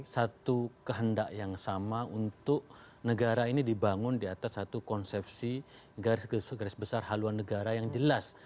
satu kehendak yang sama untuk negara ini dibangun di atas satu konsepsi garis besar haluan negara yang jelas